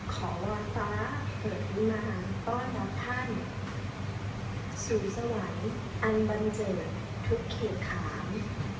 ขอลอยฟ้าเกิดมาต้อนรับท่านสู่สวรรค์อันบันเจิดทุกเขตฐาน